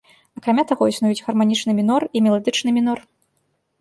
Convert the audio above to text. Акрамя таго, існуюць гарманічны мінор і меладычны мінор.